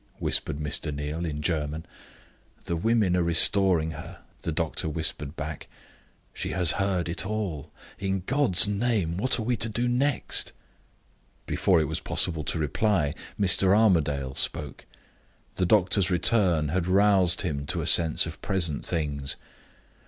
whispered Mr. Neal, in German. "The women are restoring her," the doctor whispered back. "She has heard it all. In God's name, what are we to do next?" Before it was possible to reply, Mr. Armadale spoke. The doctor's return had roused him to a sense of present things.